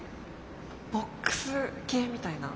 ボックス系みたいな。